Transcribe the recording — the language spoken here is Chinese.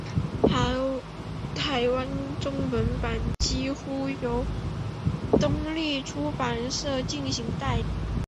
台湾中文版几乎由东立出版社进行代理。